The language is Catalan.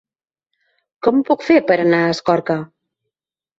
Com ho puc fer per anar a Escorca?